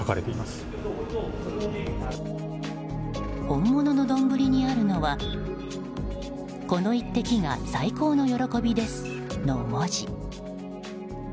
本物の丼にあるのはこの一滴が最高の喜びですの文字。